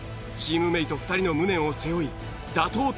チームメート２人の無念を背負い打倒